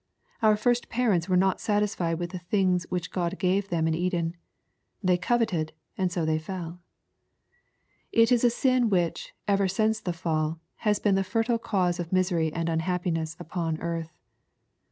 Our first parents were not satisfied with the things which Grod gave them in Eden. TJiey coveted, and so they fell. It is a sin which, ever since the fall, has been the fertile cause of misery and unhappiness upon earth.